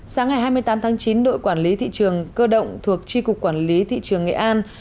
sáng ngày hai mươi tám tháng chín đội quản lý thị trường cơ động thuộc tri cục quản lý thị trường nghệ an